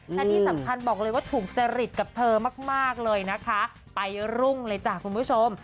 และที่สำคัญบอกเลยว่าถูกจริตกับเธอมากเลยนะคะไปรุ่งเลยจ้ะคุณผู้ชม